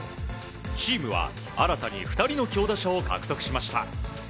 チームは新たに２人の強打者を獲得しました。